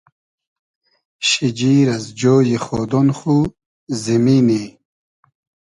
شیجیر از جۉی خۉدۉن خو , زیمینی